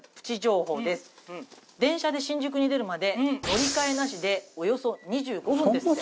電車で新宿に出るまで乗り換えなしでおよそ２５分ですって。